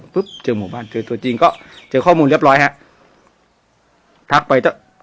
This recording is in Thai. เจอหมู่บ้านเจอตัวจริงก็เจอข้อมูลเรียบร้อยฮะทักไปเถอะ